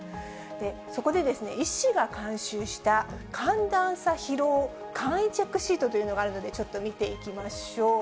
そこで、医師が監修した、寒暖差疲労簡易チェックシートというのがあるので、ちょっと見ていきましょう。